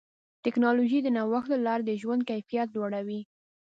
ټکنالوجي د نوښت له لارې د ژوند کیفیت لوړوي.